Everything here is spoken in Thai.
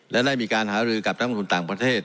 และได้มีการหารือกับนักลงทุนต่างประเทศ